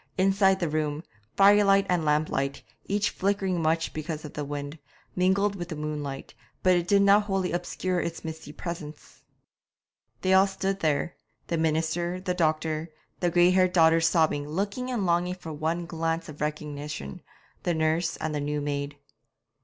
Inside the room, firelight and lamplight, each flickering much because of the wind, mingled with the moonlight, but did not wholly obscure its misty presence. They all stood there the minister, the doctor, the grey haired daughters sobbing, looking and longing for one glance of recognition, the nurse, and the new maid.